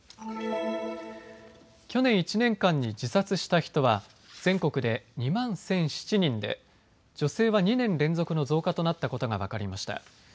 去年１年間に自殺した人は全国で２万１００７人で女性は２年連続の増加となったことが分かりました。